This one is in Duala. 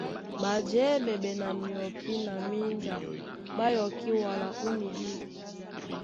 Ɓajɛɛ́ ɓɛɓɛ na myɔpí na mínja ɓá yɔkí wala ó midû.